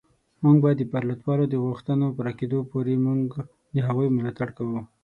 موږ به د پرلتوالو د غوښتنو پوره کېدو پورې موږ د هغوی ملاتړ کوو